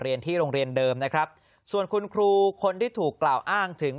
ที่โรงเรียนเดิมนะครับส่วนคุณครูคนที่ถูกกล่าวอ้างถึง